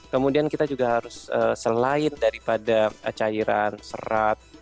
kemudian kita juga harus selain daripada cairan serat